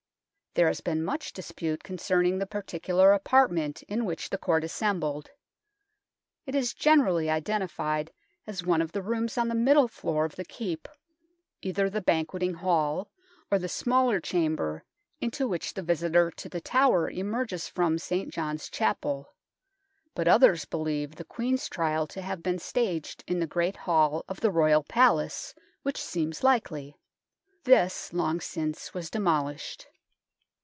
There has been much dispute concerning the particular apartment in which the Court assembled. It is generally identi fied as one of the rooms on the middle floor of the Keep, either the Banqueting Hall or the smaller chamber into which the visitor to The Tower emerges from St. John's Chapel, but others believe the Queen's trial to have been staged in the Great Hall of the Royal Palace, which seems likely ; this long since was demolished.